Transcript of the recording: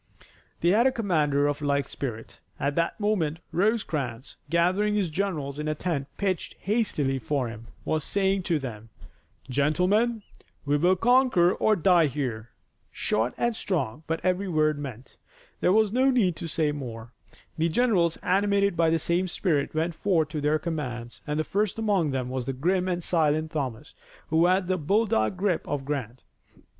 They had a commander of like spirit. At that moment Rosecrans, gathering his generals in a tent pitched hastily for him, was saying to them, "Gentlemen, we will conquer or die here." Short and strong, but every word meant. There was no need to say more. The generals animated by the same spirit went forth to their commands, and first among them was the grim and silent Thomas, who had the bulldog grip of Grant.